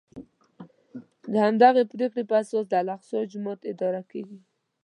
د همدغې پرېکړې په اساس د الاقصی جومات اداره کېږي.